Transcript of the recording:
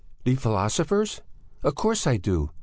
"The philosophers? Of course, I do!